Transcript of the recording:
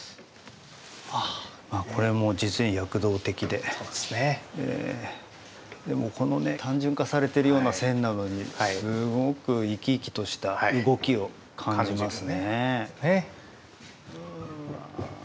でもこのね単純化されてるような線なのにすごく生き生きとした動きを感じますね。